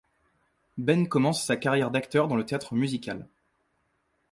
Ben commence sa carrière d'acteur dans le théâtre musical.